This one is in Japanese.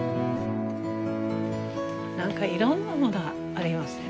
何かいろんなものありますね。